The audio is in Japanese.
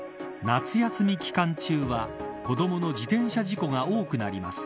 夏休み期間中は子どもの自転車事故が多くなります。